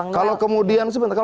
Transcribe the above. kalau kemudian sebenarnya